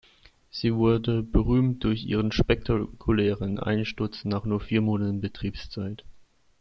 Sie wurde berühmt durch ihren spektakulären Einsturz nach nur vier Monaten Betriebszeit.